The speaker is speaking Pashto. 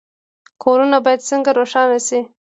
کورونه باید څنګه روښانه شي؟